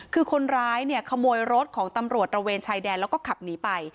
คือคนร้ายเนี่ยขโมยรถของตำรวจตระเวนชายแดนแล้วก็ขับหนีไป